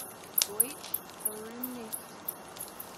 Deutsch, Warum Nicht?